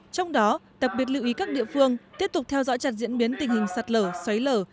trong đó đặc biệt lưu ý các địa phương tiếp tục theo dõi chặt diễn biến tình hình sạt lở xói lở